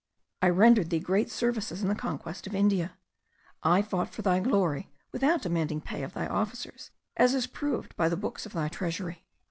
I rendered thee great services in the conquest of India. I fought for thy glory, without demanding pay of thy officers, as is proved by the books of thy treasury.